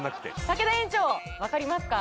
竹田園長分かりますか？